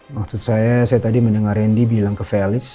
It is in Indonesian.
maksud saya saya tadi mendengar rendy bilang ke felix